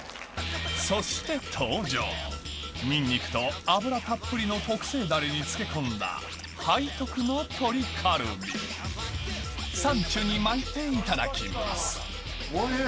そして登場ニンニクと油たっぷりの特製ダレに漬け込んだサンチュに巻いていただきますおいしい！